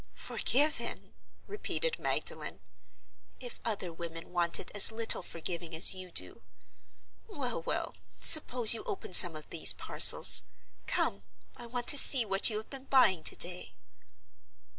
"Forgiven!" repeated Magdalen. "If other women wanted as little forgiving as you do—Well! well! Suppose you open some of these parcels. Come! I want to see what you have been buying to day."